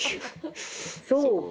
そうか。